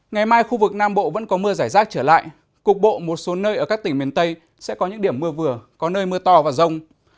ngày mai khu vực nam bộ vẫn có mưa giải rác trở lại cục bộ một số nơi ở các tỉnh miền tây sẽ có những điểm mưa vừa có nơi mưa to và rông